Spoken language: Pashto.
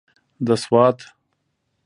د سوات.